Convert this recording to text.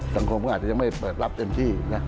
สังคมก็อาจจะยังไม่เปิดรับเต็มที่นะ